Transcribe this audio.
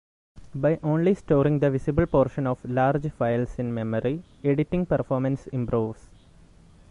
By only storing the visible portion of large files in memory, editing performance improves.